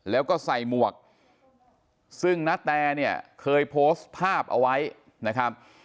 แล้วก็ใส่หมวกซึ่งณแตเนี่ยเคยโพสต์ภาพเอาไว้นะครับ